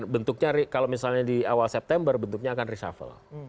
bentuknya kalau misalnya di awal september bentuknya akan reshuffle